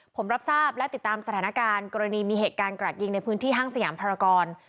ผมรับทราบและติดตามสถานการณ์กรณีมีเหตุการณ์กระดยิงในพื้นที่ห้างสยามภารกร